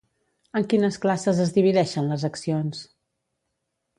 En quines classes es divideixen les accions?